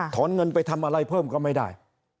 เงินไปทำอะไรเพิ่มก็ไม่ได้